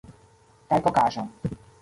Kaj kokaĵon.